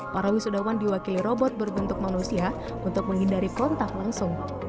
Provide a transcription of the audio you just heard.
para wisudawan diwakili robot berbentuk manusia untuk menghindari kontak langsung